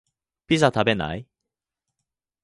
ピザ食べない？